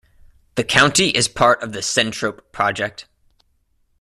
The county is a part of the Centrope Project.